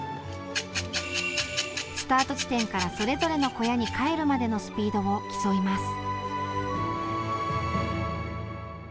スタート地点からそれぞれの小屋に帰るまでのスピードを競います。